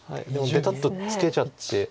ちょっとツケちゃって。